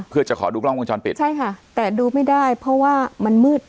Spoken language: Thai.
เพื่อจะขอดูกล้องวงจรปิดใช่ค่ะแต่ดูไม่ได้เพราะว่ามันมืด